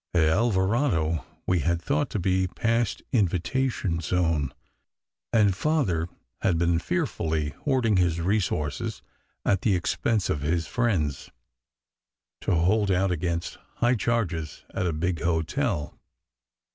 At Alvarado we had thought to be past invitation zone, and Father had been fearfully hoarding his resources at the expense of his friends, to hold out against high charges at a big hotel.